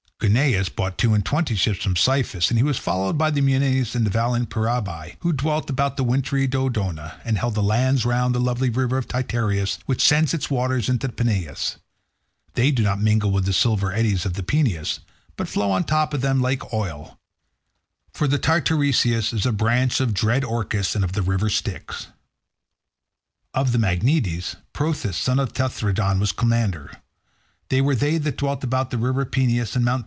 Guneus brought two and twenty ships from Cyphus, and he was followed by the Enienes and the valiant Peraebi, who dwelt about wintry Dodona, and held the lands round the lovely river Titaresius, which sends its waters into the Peneus. They do not mingle with the silver eddies of the Peneus, but flow on the top of them like oil; for the Titaresius is a branch of dread Orcus and of the river Styx. Of the Magnetes, Prothous son of Tenthredon was commander. They were they that dwelt about the river Peneus and Mt.